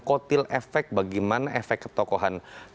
kotil efek bagaimana efek ketokohan